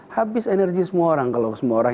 habis energi semua orang